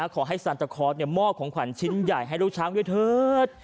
ขอให้ซันตะคอร์สมอบของขวัญชิ้นใหญ่ให้ลูกช้างด้วยเถิด